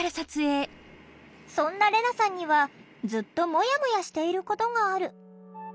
そんなレナさんにはずっとモヤモヤしていることがある。